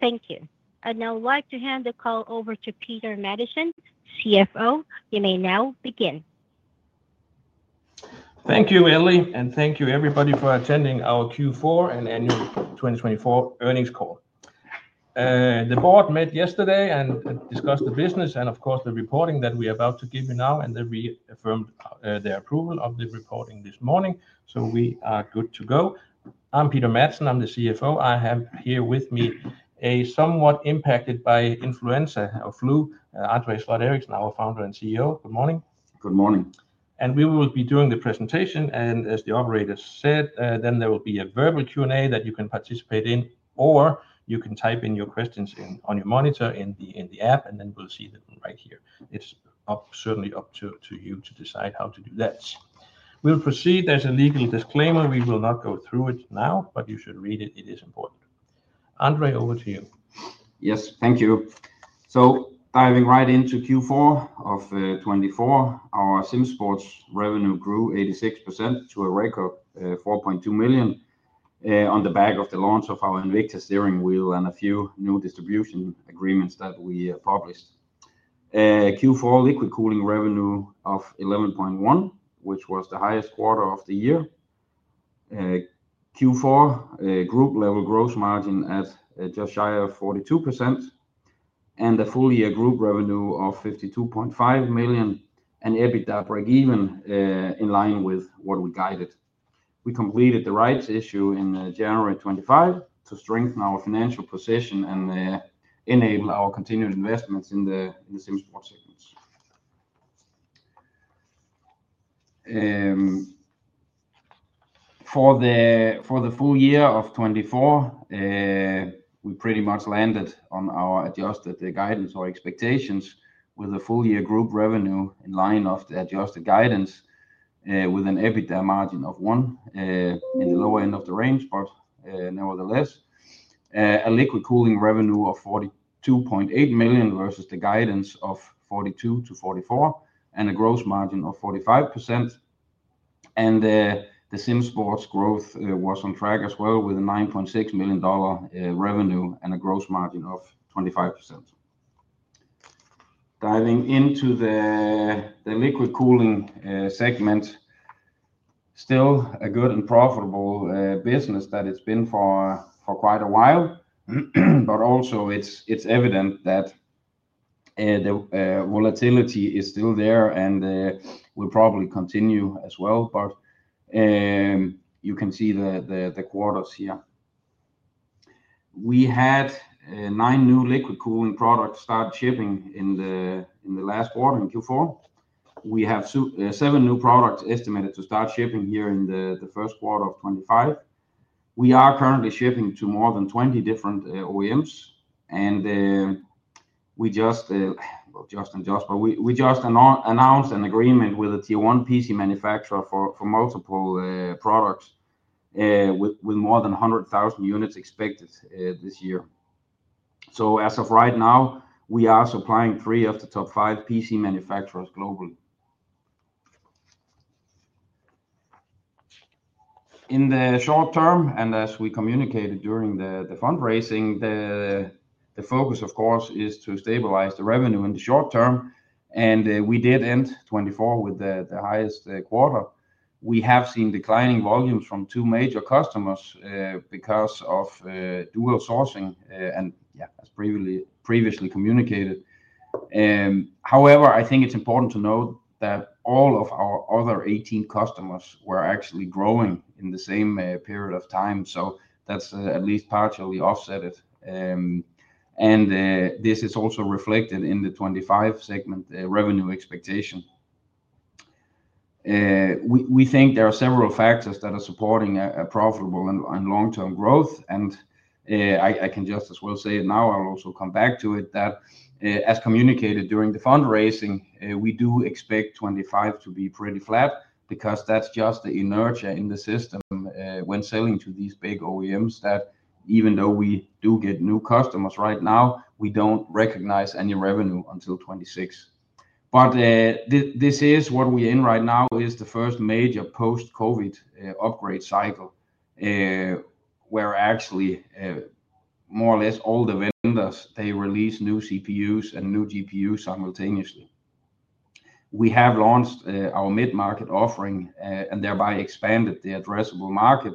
Thank you. I would like to hand the call over to Peter Madsen, CFO. You may now begin. Thank you, Ellie, and thank you, everybody, for attending our Q4 and Annual 2024 Earnings Call. The board met yesterday and discussed the business and, of course, the reporting that we are about to give you now, and they reaffirmed their approval of the reporting this morning, so we are good to go. I'm Peter Madsen, I'm the CFO. I have here with me a somewhat impacted by influenza or flu André Eriksen, now a founder and CEO. Good morning. Good morning. We will be doing the presentation, and as the operator said, there will be a verbal Q&A that you can participate in, or you can type in your questions on your monitor in the app, and then we'll see them right here. It's certainly up to you to decide how to do that. We'll proceed. There's a legal disclaimer. We will not go through it now, but you should read it. It is important. André, over to you. Yes, thank you. Diving right into Q4 of 2024, our SimSports revenue grew 86% to a record $4.2 million on the back of the launch of our Invicta steering wheel and a few new distribution agreements that we published. Q4 liquid cooling revenue of $11.1 million, which was the highest quarter of the year. Q4 group level gross margin at just shy of 42%, and a full year group revenue of $52.5 million, and EBITDA break-even in line with what we guided. We completed the rights issue in January 2025 to strengthen our financial position and enable our continued investments in the SimSports segments. For the full year of 2024, we pretty much landed on our adjusted guidance or expectations with a full year group revenue in line with the adjusted guidance, with an EBITDA margin of one in the lower end of the range, but nevertheless, a liquid cooling revenue of $42.8 million versus the guidance of $42 million-$44 million, and a gross margin of 45%. The SimSports growth was on track as well, with a $9.6 million revenue and a gross margin of 25%. Diving into the liquid cooling segment, still a good and profitable business that it has been for quite a while, it is also evident that the volatility is still there and will probably continue as well. You can see the quarters here. We had nine new liquid cooling products start shipping in the last quarter in Q4. We have seven new products estimated to start shipping here in the Q1 of 2025. We are currently shipping to more than 20 different OEMs, and we just, well, just and just, but we just announced an agreement with a Tier-1 PC manufacturer for multiple products with more than 100,000 units expected this year. As of right now, we are supplying three of the top five PC manufacturers globally. In the short term, and as we communicated during the fundraising, the focus, of course, is to stabilize the revenue in the short term, and we did end 2024 with the highest quarter. We have seen declining volumes from two major customers because of dual sourcing, and yeah, as previously communicated. However, I think it's important to note that all of our other 18 customers were actually growing in the same period of time, so that's at least partially offset. This is also reflected in the 2025 segment revenue expectation. We think there are several factors that are supporting a profitable and long-term growth, and I can just as well say it now, I'll also come back to it, that as communicated during the fundraising, we do expect 2025 to be pretty flat because that's just the inertia in the system when selling to these big OEMs that even though we do get new customers right now, we don't recognize any revenue until 2026. This is what we're in right now, the first major post-COVID upgrade cycle where actually more or less all the vendors, they release new CPUs and new GPUs simultaneously. We have launched our mid-market offering and thereby expanded the addressable market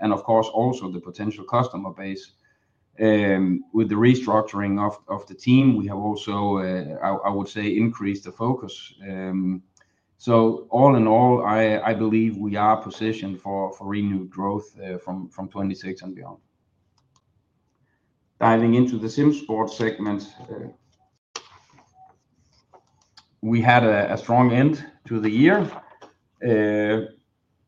and, of course, also the potential customer base with the restructuring of the team. We have also, I would say, increased the focus. All in all, I believe we are positioned for renewed growth from 2026 and beyond. Diving into the SimSports segment, we had a strong end to the year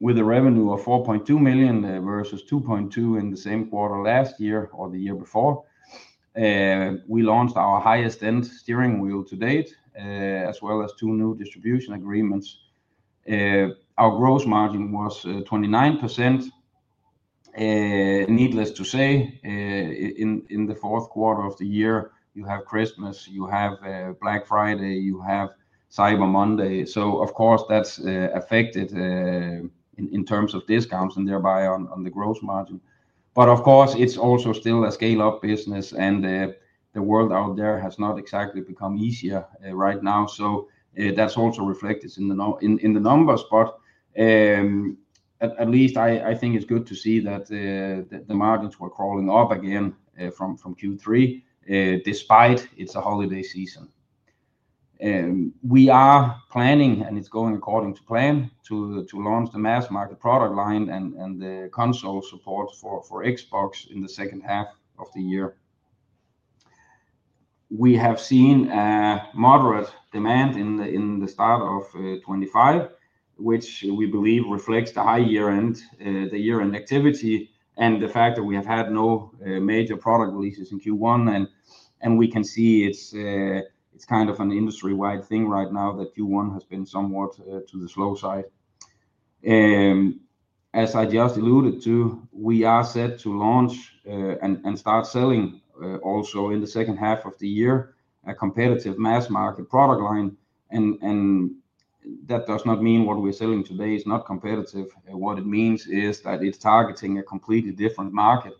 with a revenue of $4.2 million versus $2.2 million in the same quarter last year or the year before. We launched our highest-end steering wheel to date, as well as two new distribution agreements. Our gross margin was 29%. Needless to say, in the Q4 of the year, you have Christmas, you have Black Friday, you have Cyber Monday. Of course, that is affected in terms of discounts and thereby on the gross margin. Of course, it's also still a scale-up business, and the world out there has not exactly become easier right now. That's also reflected in the numbers, but at least I think it's good to see that the margins were crawling up again from Q3 despite it's a holiday season. We are planning, and it's going according to plan, to launch the mass market product line and the console support for Xbox in the second half of the year. We have seen moderate demand in the start of 2025, which we believe reflects the high year-end activity and the fact that we have had no major product releases in Q1. We can see it's kind of an industry-wide thing right now that Q1 has been somewhat to the slow side. As I just alluded to, we are set to launch and start selling also in the second half of the year a competitive mass market product line. That does not mean what we're selling today is not competitive. What it means is that it's targeting a completely different market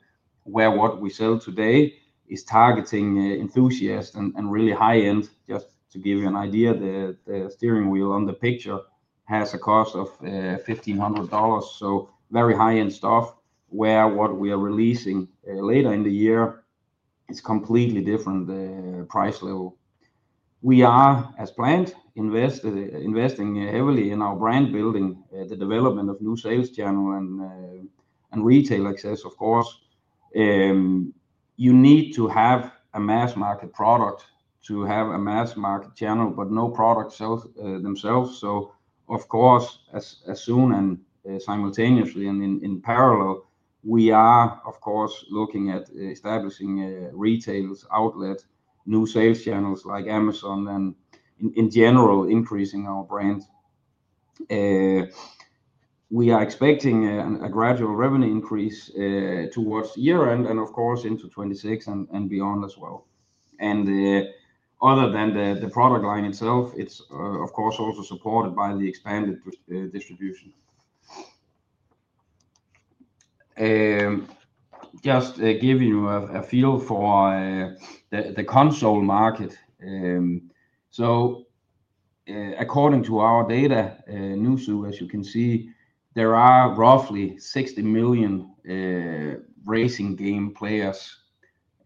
where what we sell today is targeting enthusiasts and really high-end. Just to give you an idea, the steering wheel on the picture has a cost of $1,500, so very high-end stuff where what we are releasing later in the year is completely different price level. We are, as planned, investing heavily in our brand building, the development of new sales channel and retail access, of course. You need to have a mass market product to have a mass market channel, but no products themselves. Of course, as soon and simultaneously and in parallel, we are, of course, looking at establishing retail outlet, new sales channels like Amazon, and in general, increasing our brand. We are expecting a gradual revenue increase towards year-end and, of course, into 2026 and beyond as well. Other than the product line itself, it is, of course, also supported by the expanded distribution. Just giving you a feel for the console market. According to our data, news, as you can see, there are roughly 60 million racing game players,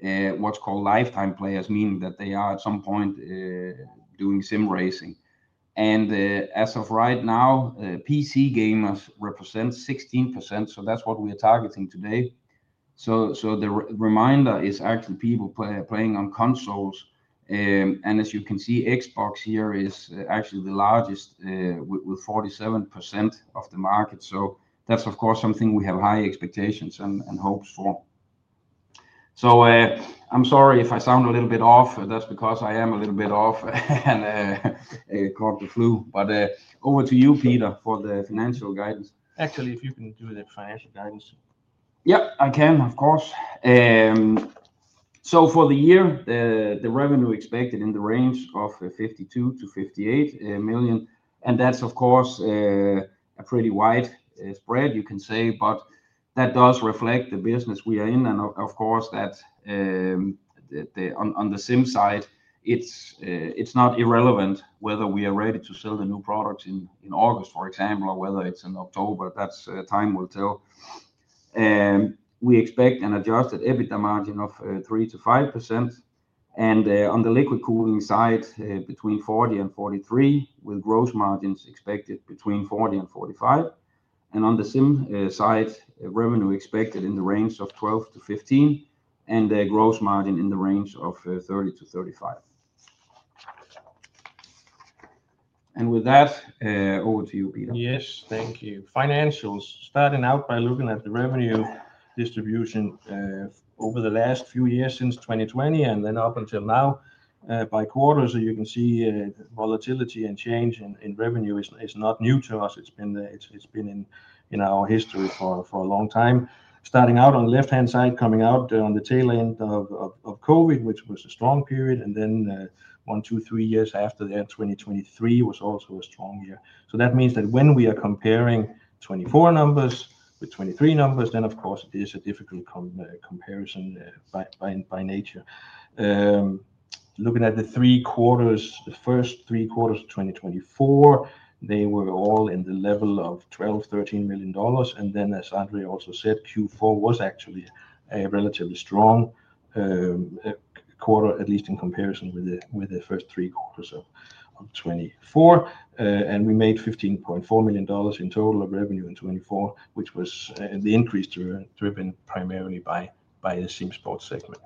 what's called lifetime players, meaning that they are at some point doing sim racing. As of right now, PC gamers represent 16%, so that's what we are targeting today. The reminder is actually people playing on consoles. As you can see, Xbox here is actually the largest with 47% of the market. That is, of course, something we have high expectations and hopes for. I am sorry if I sound a little bit off. That is because I am a little bit off and caught the flu. Over to you, Peter, for the financial guidance. Actually, if you can do the financial guidance. Yep, I can, of course. For the year, the revenue expected in the range of $52 million-$58 million. That is, of course, a pretty wide spread, you can say, but that does reflect the business we are in. On the Sim side, it is not irrelevant whether we are ready to sell the new products in August, for example, or whether it is in October. Time will tell. We expect an adjusted EBITDA margin of 3%-5%. On the liquid cooling side, between $40 million-$43 million with gross margins expected between 40%-45%. On the Sim side, revenue expected in the range of $12 million-$15 million and gross margin in the range of 30%-35%. With that, over to you, Peter. Yes, thank you. Financials, starting out by looking at the revenue distribution over the last few years since 2020 and then up until now by quarters. You can see volatility and change in revenue is not new to us. It has been in our history for a long time. Starting out on the left-hand side, coming out on the tail end of COVID, which was a strong period, and then one, two, three years after that, 2023 was also a strong year. That means that when we are comparing 2024 numbers with 2023 numbers, then, of course, it is a difficult comparison by nature. Looking at the three quarters, the first three quarters of 2024, they were all in the level of $12 million, $13 million. As André also said, Q4 was actually a relatively strong quarter, at least in comparison with the first three quarters of 2024. We made $15.4 million in total revenue in 2024, which was the increase driven primarily by the Simsports segment.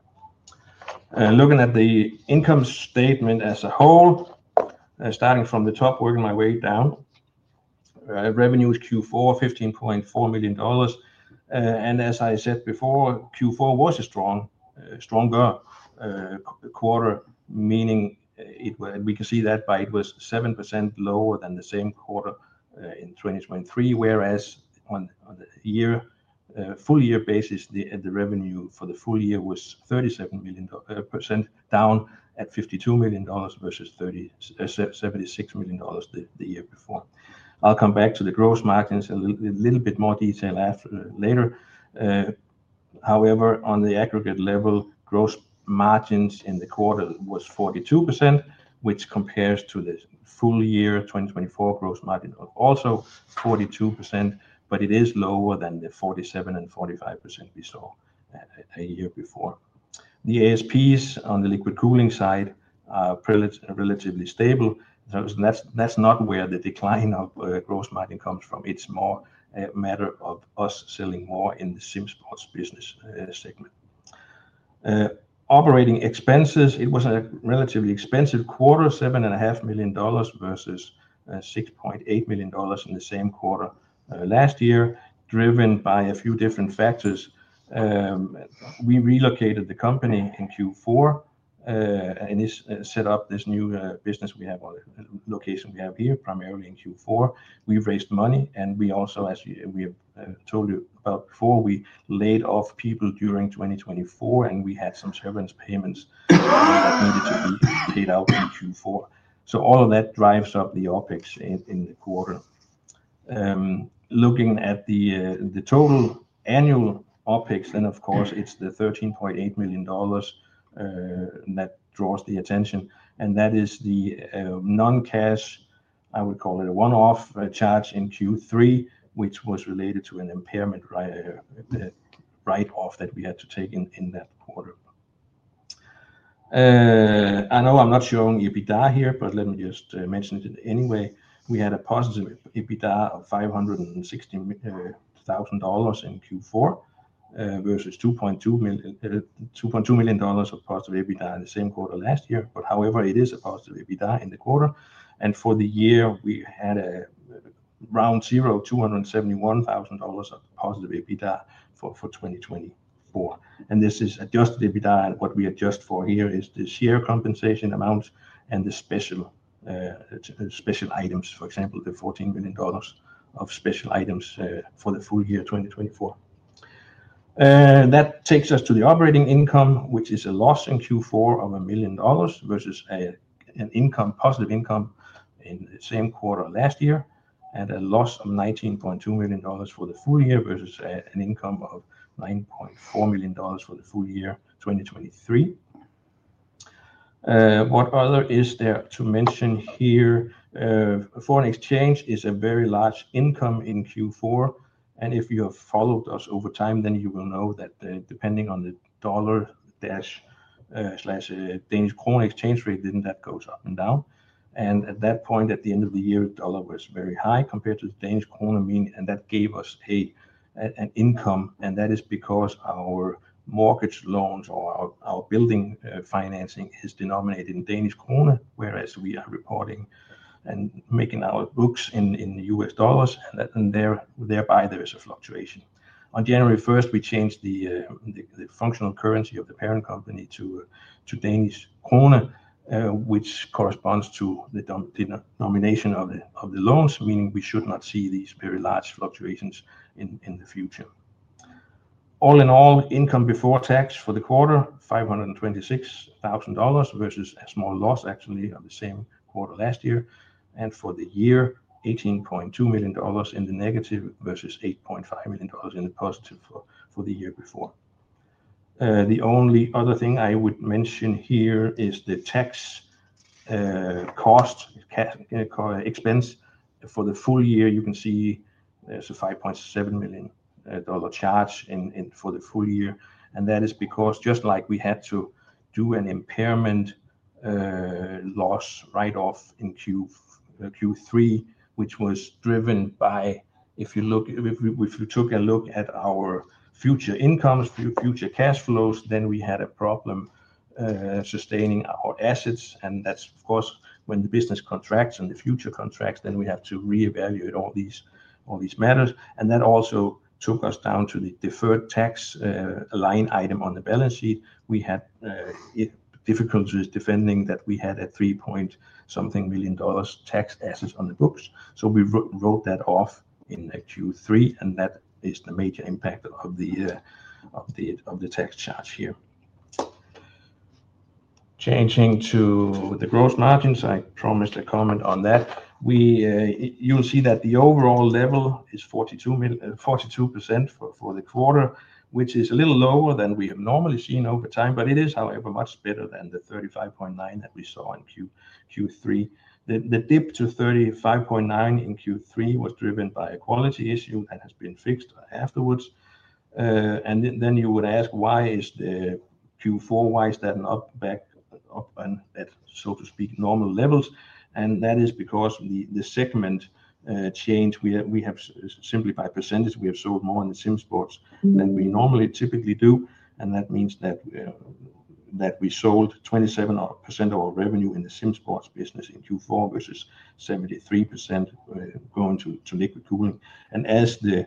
Looking at the income statement as a whole, starting from the top, working my way down, revenue in Q4 was $15.4 million. As I said before, Q4 was a stronger quarter, meaning we can see that it was 7% lower than the same quarter in 2023, whereas on the full year basis, the revenue for the full year was 37% down at $52 million versus $76 million the year before. I'll come back to the gross margins in a little bit more detail later. However, on the aggregate level, gross margins in the quarter were 42%, which compares to the full year 2024 gross margin of also 42%, but it is lower than the 47% and 45% we saw a year before. The ASPs on the liquid cooling side are relatively stable. That's not where the decline of gross margin comes from. It's more a matter of us selling more in the SimSports business segment. Operating expenses, it was a relatively expensive quarter, $7.5 million versus $6.8 million in the same quarter last year, driven by a few different factors. We relocated the company in Q4 and set up this new business we have on location we have here primarily in Q4. We've raised money, and we also, as we told you about before, we laid off people during 2024, and we had some severance payments that needed to be paid out in Q4. All of that drives up the OPEX in the quarter. Looking at the total annual OPEX, then, of course, it's the $13.8 million that draws the attention. That is the non-cash, I would call it a one-off charge in Q3, which was related to an impairment write-off that we had to take in that quarter. I know I'm not showing EBITDA here, but let me just mention it anyway. We had a positive EBITDA of $560,000 in Q4 versus $2.2 million of positive EBITDA in the same quarter last year. However, it is a positive EBITDA in the quarter. For the year, we had around zero, $271,000 of positive EBITDA for 2024. This is adjusted EBITDA, and what we adjust for here is the share compensation amount and the special items, for example, the $14 million of special items for the full year 2024. That takes us to the operating income, which is a loss in Q4 of $1 million versus a positive income in the same quarter last year and a loss of $19.2 million for the full year versus an income of $9.4 million for the full year 2023. What other is there to mention here? Foreign exchange is a very large income in Q4. If you have followed us over time, then you will know that depending on the dollar/Danish krone exchange rate, that goes up and down. At that point, at the end of the year, dollar was very high compared to the Danish krone, and that gave us an income. That is because our mortgage loans or our building financing is denominated in Danish Krone, whereas we are reporting and making our books in US dollars, and thereby there is a fluctuation. On January 1st, we changed the functional currency of the parent company to Danish krone, which corresponds to the denomination of the loans, meaning we should not see these very large fluctuations in the future. All in all, income before tax for the quarter, $526,000 versus a small loss actually of the same quarter last year. For the year, $18.2 million in the negative versus $8.5 million in the positive for the year before. The only other thing I would mention here is the tax cost expense for the full year. You can see there's a $5.7 million charge for the full year. That is because, just like we had to do an impairment loss write-off in Q3, which was driven by, if you took a look at our future incomes, future cash flows, then we had a problem sustaining our assets. Of course, when the business contracts and the future contracts, then we have to reevaluate all these matters. That also took us down to the deferred tax line item on the balance sheet. We had difficulties defending that we had a $3 point something million tax assets on the books. We wrote that off in Q3, and that is the major impact of the tax charge here. Changing to the gross margins, I promised a comment on that. You'll see that the overall level is 42% for the quarter, which is a little lower than we have normally seen over time, but it is, however, much better than the 35.9% that we saw in Q3. The dip to 35.9% in Q3 was driven by a quality issue that has been fixed afterwards. You would ask, why is Q4, why is that up back up at, so to speak, normal levels? That is because the segment change. We have, simply by percentage, sold more in the SimSports than we normally typically do. That means that we sold 27% of our revenue in the SimSports business in Q4 versus 73% going to liquid cooling. As the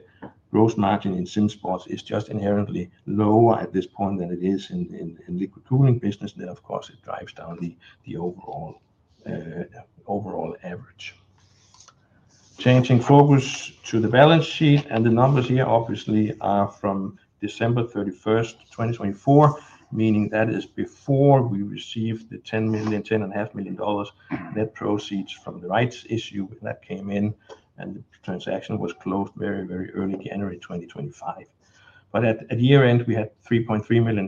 gross margin in SimSports is just inherently lower at this point than it is in liquid cooling business, it drives down the overall average. Changing focus to the balance sheet and the numbers here, obviously, are from December 31st, 2024, meaning that is before we received the $10.5 million that proceeds from the rights issue that came in, and the transaction was closed very, very early January 2025. At year-end, we had $3.3 million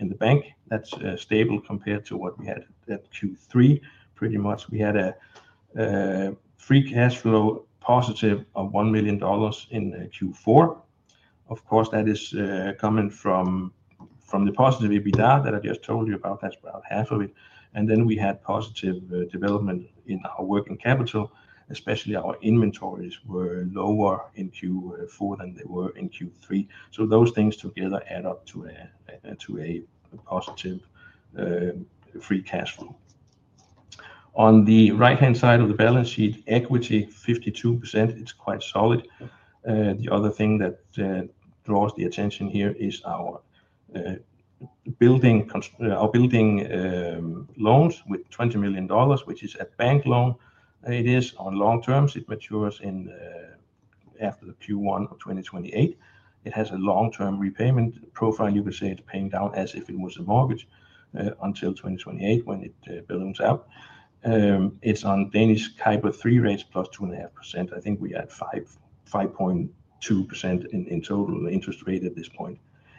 in the bank. That's stable compared to what we had at Q3, pretty much. We had a free cash flow positive of $1 million in Q4. Of course, that is coming from the positive EBITDA that I just told you about. That's about half of it. We had positive development in our working capital, especially our inventories were lower in Q4 than they were in Q3. Those things together add up to a positive free cash flow. On the right-hand side of the balance sheet, equity 52%. It's quite solid. The other thing that draws the attention here is our building loans with $20 million, which is a bank loan. It is on long terms. It matures after Q1 of 2028. It has a long-term repayment profile. You can say it's paying down as if it was a mortgage until 2028 when it balloons up. It's on Danish CIBOR 3 rates plus 2.5%. I think we had 5.2% in total interest rate at this point.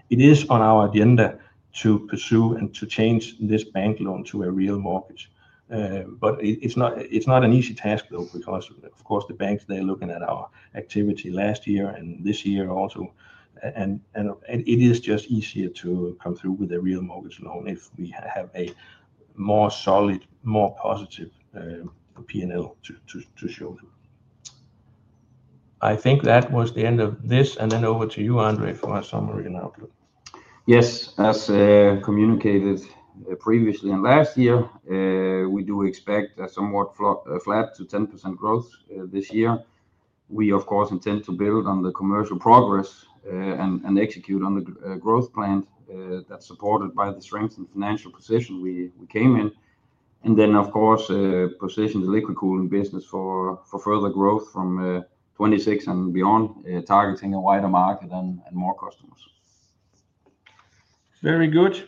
It is on our agenda to pursue and to change this bank loan to a real mortgage. It is not an easy task, though, because, of course, the banks, they're looking at our activity last year and this year also. It is just easier to come through with a real mortgage loan if we have a more solid, more positive P&L to show them. I think that was the end of this. Over to you, André, for a summary and outlook. Yes. As communicated previously and last year, we do expect a somewhat flat to 10% growth this year. We, of course, intend to build on the commercial progress and execute on the growth plan that is supported by the strengthened financial position we came in. Of course, we position the liquid cooling business for further growth from 2026 and beyond, targeting a wider market and more customers. Very good.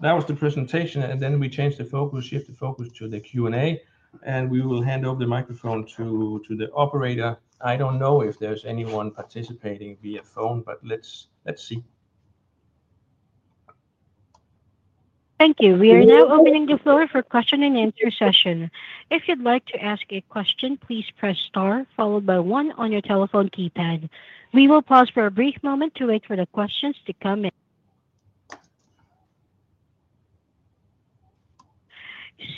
That was the presentation. We changed the focus, shifted focus to the Q&A, and we will hand over the microphone to the operator. I do not know if there is anyone participating via phone, but let's see. Thank you. We are now opening the floor for question and answer session. If you'd like to ask a question, please press star followed by one on your telephone keypad. We will pause for a brief moment to wait for the questions to come in.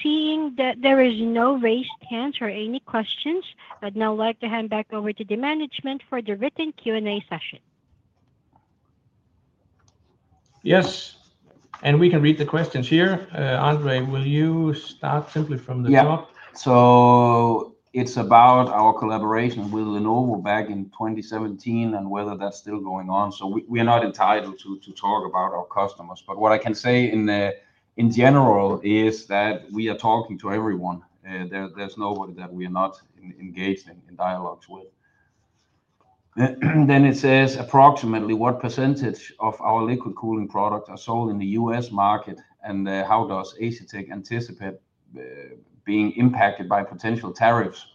Seeing that there is no raised hands or any questions, I'd now like to hand back over to the management for the written Q&A session. Yes. We can read the questions here. André, will you start simply from the top? Yeah. It is about our collaboration with Lenovo back in 2017 and whether that is still going on. We are not entitled to talk about our customers. What I can say in general is that we are talking to everyone. There is nobody that we are not engaged in dialogues with. It says, "Approximately what percentage of our liquid cooling products are sold in the U.S. market, and how does Asetek anticipate being impacted by potential tariffs?"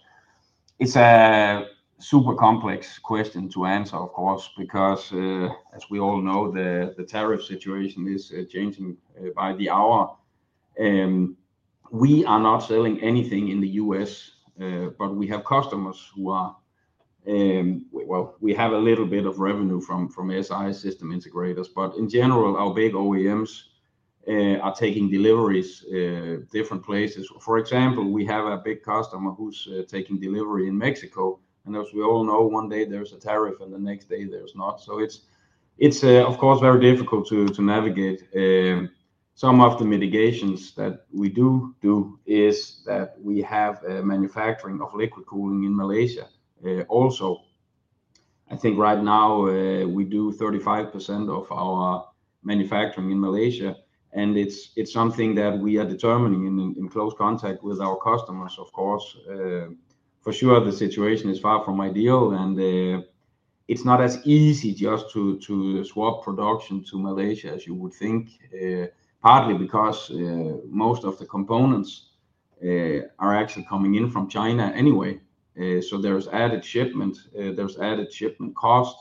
It is a super complex question to answer, of course, because, as we all know, the tariff situation is changing by the hour. We are not selling anything in the U.S., but we have customers who are, well, we have a little bit of revenue from SI system integrators. In general, our big OEMs are taking deliveries different places. For example, we have a big customer who is taking delivery in Mexico. As we all know, one day there's a tariff and the next day there's not. It is, of course, very difficult to navigate. Some of the mitigations that we do is that we have manufacturing of liquid cooling in Malaysia also. I think right now we do 35% of our manufacturing in Malaysia, and it is something that we are determining in close contact with our customers, of course. For sure, the situation is far from ideal, and it is not as easy just to swap production to Malaysia as you would think, partly because most of the components are actually coming in from China anyway. There is added shipment, there is added shipment cost.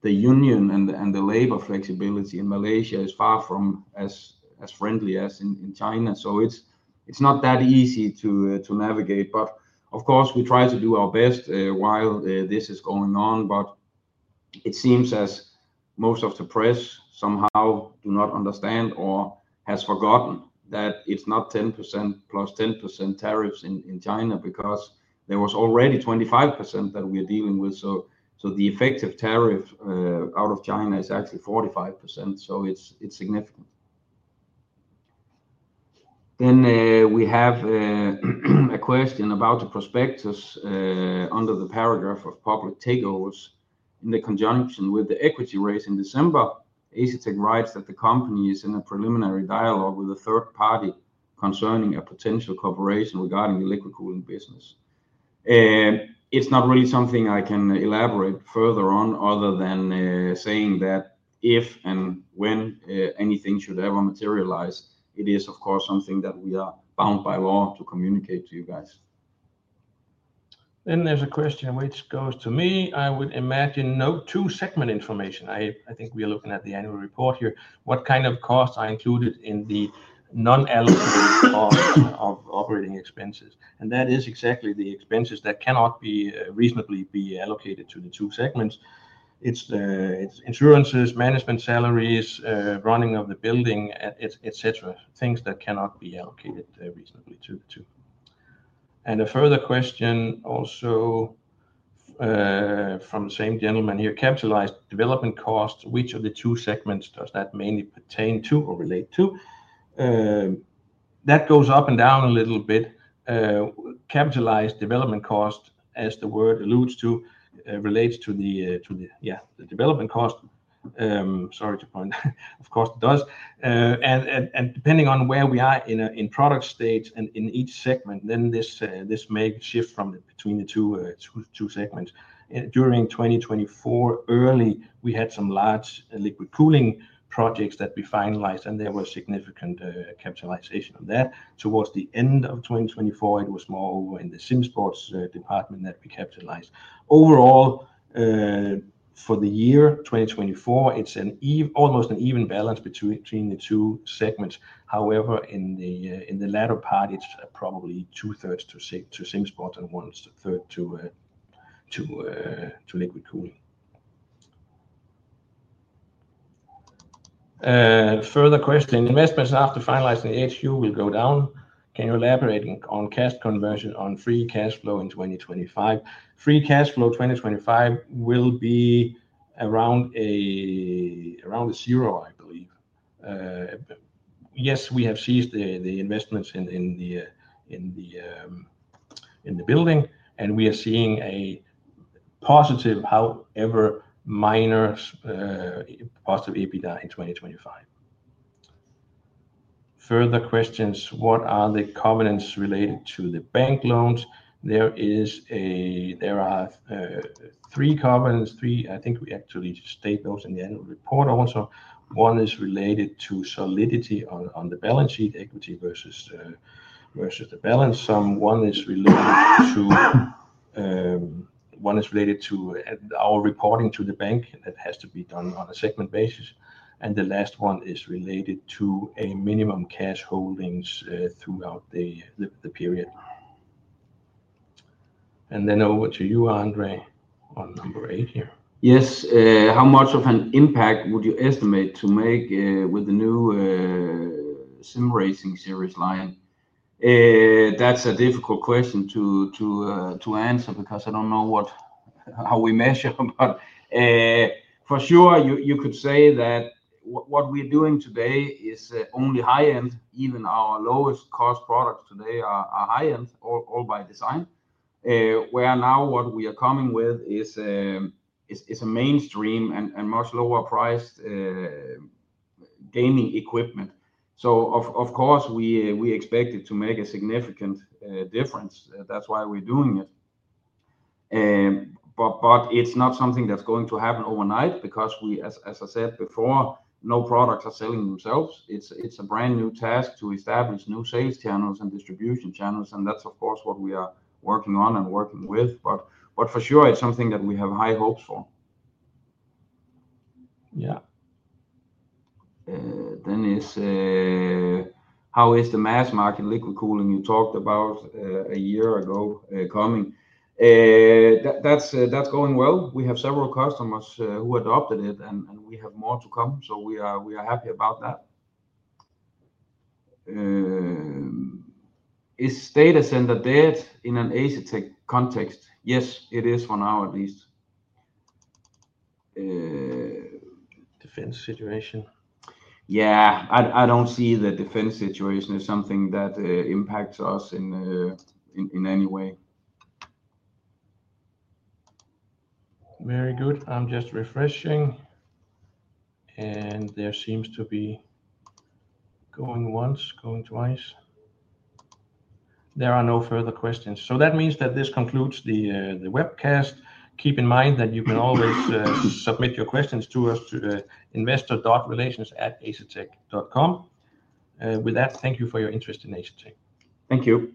The union and the labor flexibility in Malaysia is far from as friendly as in China. It is not that easy to navigate. Of course, we try to do our best while this is going on, but it seems as most of the press somehow do not understand or has forgotten that it's not 10% plus 10% tariffs in China because there was already 25% that we are dealing with. The effective tariff out of China is actually 45%. It is significant. We have a question about the prospectus under the paragraph of public takeovers in the conjunction with the equity raise in December. Asetek writes that the company is in a preliminary dialogue with a third party concerning a potential corporation regarding the liquid cooling business. It's not really something I can elaborate further on other than saying that if and when anything should ever materialize, it is, of course, something that we are bound by law to communicate to you guys. There is a question which goes to me. I would imagine Note 2 segment information. I think we are looking at the annual report here. What kind of costs are included in the non-allocated costs of operating expenses? That is exactly the expenses that cannot reasonably be allocated to the two segments. It is insurances, management salaries, running of the building, etc., things that cannot be allocated reasonably to. A further question also from the same gentleman here, capitalized development costs, which of the two segments does that mainly pertain to or relate to? That goes up and down a little bit. Capitalized development cost, as the word alludes to, relates to the, yeah, the development cost. Sorry to point. Of course, it does. Depending on where we are in product state and in each segment, this may shift between the two segments. During 2024 early, we had some large liquid cooling projects that we finalized, and there was significant capitalization on that. Towards the end of 2024, it was more over in the SimSports department that we capitalized. Overall, for the year 2024, it's almost an even balance between the two segments. However, in the latter part, it's probably two-thirds to SimSports and one-third to liquid cooling. Further question. Investments after finalizing the HQ will go down. Can you elaborate on cash conversion on free cash flow in 2025? Free cash flow 2025 will be around zero, I believe. Yes, we have seized the investments in the building, and we are seeing a positive, however, minor positive EBITDA in 2025. Further questions. What are the covenants related to the bank loans? There are three covenants. I think we actually state those in the annual report also. One is related to solidity on the balance sheet, equity versus the balance sum. One is related to our reporting to the bank that has to be done on a segment basis. The last one is related to a minimum cash holdings throughout the period. Over to you, André, on number eight here. Yes. How much of an impact would you estimate to make with the new sim racing series line? That's a difficult question to answer because I don't know how we measure. For sure, you could say that what we're doing today is only high-end. Even our lowest-cost products today are high-end, all by design. Where now what we are coming with is a mainstream and much lower-priced gaming equipment. Of course, we expect it to make a significant difference. That's why we're doing it. It's not something that's going to happen overnight because, as I said before, no products are selling themselves. It's a brand new task to establish new sales channels and distribution channels. That's what we are working on and working with. For sure, it's something that we have high hopes for. Yeah. How is the mass market liquid cooling you talked about a year ago coming? That's going well. We have several customers who adopted it, and we have more to come. We are happy about that. Is data center dead in an Asetek context? Yes, it is for now, at least. Defense situation. Yeah. I don't see the defense situation as something that impacts us in any way. Very good. I'm just refreshing. There seems to be going once, going twice. There are no further questions. That means this concludes the webcast. Keep in mind that you can always submit your questions to us at investor.relations@asetek.com. With that, thank you for your interest in Asetek. Thank you.